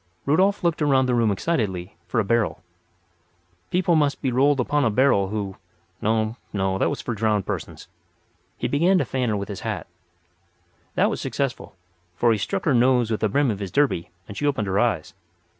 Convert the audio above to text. Rudolf looked around the room excitedly for a barrel. People must be rolled upon a barrel who—no, no; that was for drowned persons. He began to fan her with his hat. That was successful, for he struck her nose with the brim of his derby and she opened her eyes.